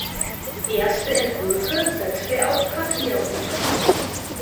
Erste Entwürfe setzte er auf Papier um.